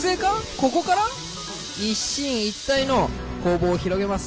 ここから一進一退の攻防を広げます。